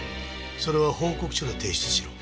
それは報告書で提出しろ。